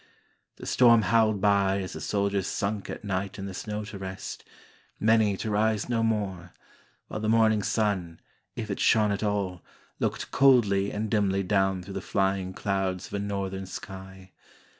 The storm howled by as the soldiers sunk at night in the snow to rest, many to rise no more, while the morning sun, if it shone at all, looked coldly and dimly down through the flying clouds of a northern sky.